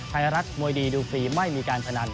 ไทยรัฐมวยดีดูฟรีไม่มีการพนัน